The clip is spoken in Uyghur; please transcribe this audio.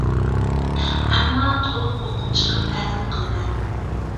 ئەمما تولۇق ئوقۇپ چىقىپ ھەزىم قىلىمەن.